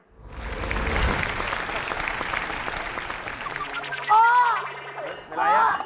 อ้า